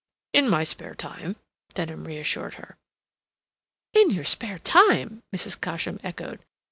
"In my spare time," Denham reassured her. "In your spare time!" Mrs. Cosham echoed.